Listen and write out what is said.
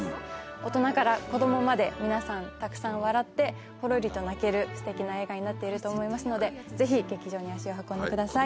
大人から子供まで皆さんたくさん笑ってほろりと泣けるすてきな映画になっていると思いますのでぜひ劇場に足を運んでください。